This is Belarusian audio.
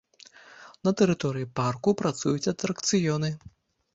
На тэрыторыі парку працуюць атракцыёны.